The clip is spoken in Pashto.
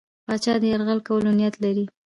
پاچا د یرغل کولو نیت لري.